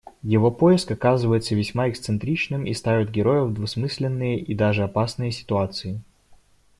Его поиск оказывается весьма эксцентричным и ставит героя в двусмысленные и даже опасные ситуации.